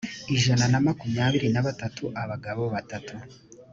ijana na makumyabiri na batatu abagabo batatu